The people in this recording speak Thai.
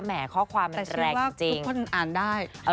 แต่ชื่อว่าทุกคนอ่านได้